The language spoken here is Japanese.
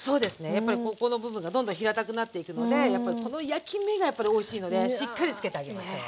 やっぱりここの部分がどんどん平たくなっていくのでやっぱりこの焼き目がやっぱりおいしいのでしっかりつけてあげましょう。